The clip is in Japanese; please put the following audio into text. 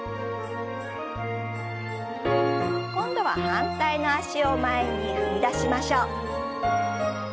今度は反対の脚を前に踏み出しましょう。